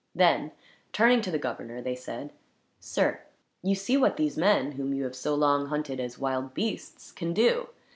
Then, turning to the governor they said: "Sir, you see what these men, whom you have so long hunted as wild beasts, can do.